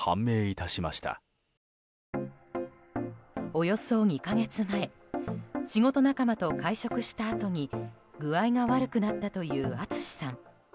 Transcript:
およそ２か月前仕事仲間と会食したあとに具合が悪くなったというＡＴＳＵＳＨＩさん。